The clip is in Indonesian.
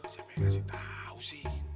siapa yang ngasih tahu sih